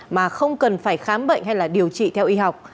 mà không cần phải khám bệnh hay điều trị theo y học